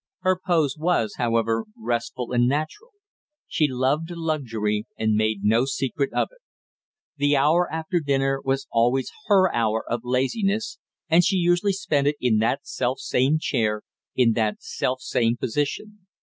Her pose was, however, restful and natural. She loved luxury, and made no secret of it. The hour after dinner was always her hour of laziness, and she usually spent it in that self same chair, in that self same position.